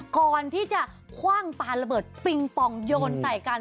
ก่อนที่จะคว่างปอยระเบิดตินป่องยนไทย